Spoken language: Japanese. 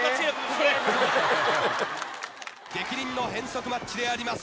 逆鱗の変則マッチであります。